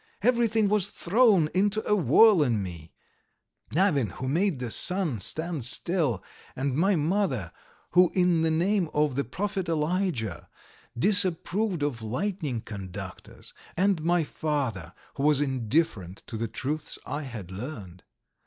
Everything was thrown into a whirl in me: Navin who made the sun stand still, and my mother who in the name of the Prophet Elijah disapproved of lightning conductors, and my father who was indifferent to the truths I had learned.